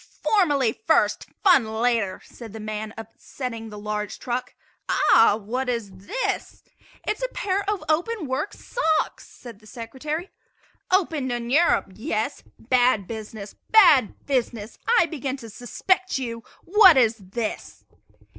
"Formality first, fun later," said the man, upsetting the largest trunk. "Aha! what is this?" "It is a pair of open work socks," said the Secretary. "Opened in Europe yes? Bad business! bad business! I begin to suspect you. What is this?"